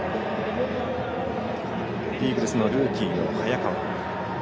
イーグルスのルーキー、早川。